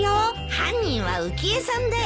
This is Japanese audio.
犯人は浮江さんだよ。